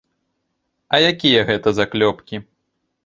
А якія гэтыя заклёпкі?